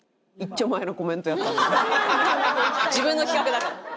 自分の企画だから。